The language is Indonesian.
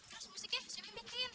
terus musiknya siapa yang bikin